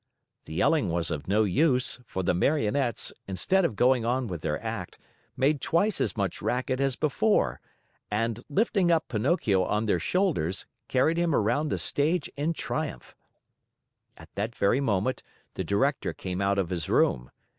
The yelling was of no use, for the Marionettes, instead of going on with their act, made twice as much racket as before, and, lifting up Pinocchio on their shoulders, carried him around the stage in triumph. At that very moment, the Director came out of his room.